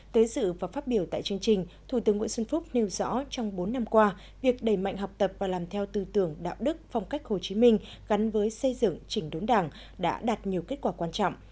tới dự và phát biểu tại chương trình thủ tướng nguyễn xuân phúc nêu rõ trong bốn năm qua việc đẩy mạnh học tập và làm theo tư tưởng đạo đức phong cách hồ chí minh gắn với xây dựng chỉnh đốn đảng đã đạt nhiều kết quả quan trọng